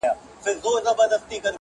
o چي تر ملکه دي کړه، ورکه دي کړه٫